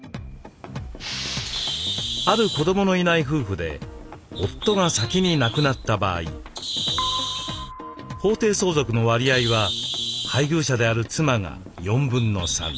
ある子どものいない夫婦で夫が先に亡くなった場合法定相続の割合は配偶者である妻が3/4。